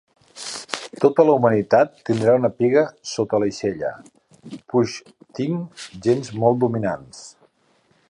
Tota la humanitat tindrà una piga sota l'aixella puix tinc gens molt dominants